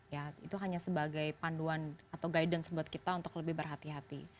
ya itu hanya sebagai panduan atau guidance buat kita untuk lebih berhati hati